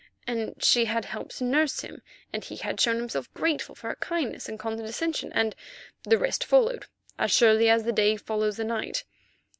And she had helped to nurse him, and he had shown himself grateful for her kindness and condescension, and—the rest followed, as surely as the day follows the night.